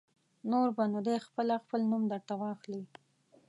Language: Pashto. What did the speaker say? نور به نو دی خپله خپل نوم در ته واخلي.